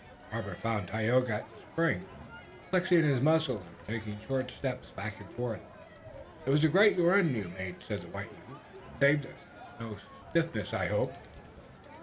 Robert found Tayoga at the spring, flexing his muscles, and taking short steps back and forth. "It was a great run you made," said the white youth, "and it saved us. There's no stiffness, I hope?"